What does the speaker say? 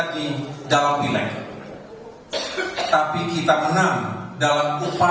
tapi kita menang dalam upaya kembali ke pemerintahan nasional